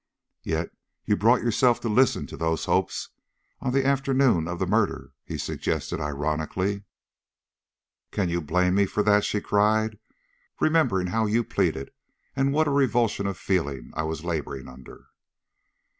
"Yet you brought yourself to listen to those hopes on the afternoon of the murder," he suggested, ironically. "Can you blame me for that?" she cried, "remembering how you pleaded, and what a revulsion of feeling I was laboring under?"